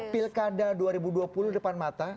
pilkada dua ribu dua puluh depan mata